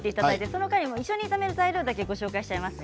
その間に一緒に炒める材料ご紹介します。